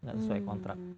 gak sesuai kontrak